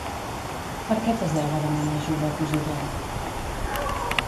Per què Teseu va demanar ajuda a Posidó?